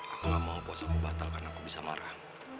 aku gak mau pos ibu batal karena aku bisa marah